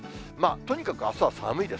とにかくあすは寒いです。